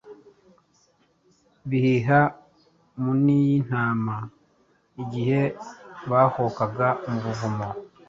bihiha muni y’intama igihe baohokaga mu buvumo.